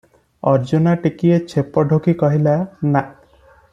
ଅର୍ଜୁନା ଟିକିଏ ଛେପ ଢୋକି କହିଲା, 'ନା' ।